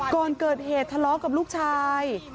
ก่อนเกิดเหตุทะเลาะกับลูกชาย